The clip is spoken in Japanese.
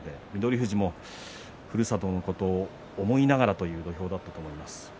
富士もふるさとのことを思いながらという土俵だったと思います。